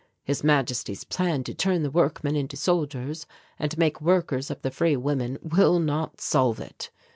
His Majesty's plan to turn the workmen into soldiers and make workers of the free women will not solve it.